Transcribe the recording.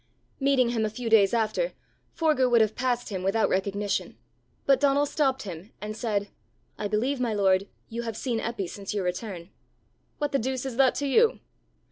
Meeting him a few days after, Forgue would have passed him without recognition, but Donal stopped him, and said "I believe, my lord, you have seen Eppy since your return." "What the deuce is that to you?"